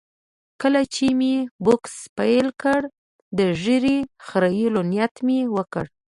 کله چې مې بوکس پیل کړ، د ږیرې خریلو نیت مې وکړ.